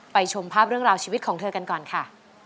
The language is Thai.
ชมภาพเรื่องราวชีวิตของเธอกันก่อนค่ะ